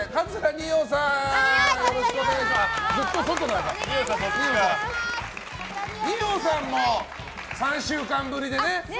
二葉さんも３週間ぶりでね。